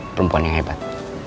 perempuan yang hebat